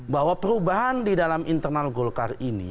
bahwa perubahan di dalam internal golkar ini